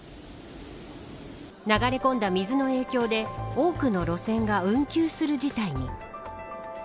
流れ込んだ水の影響で多くの路線が運休する事態に。